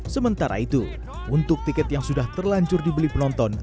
sementara itu untuk tiket yang sudah terlancur dibeli penonton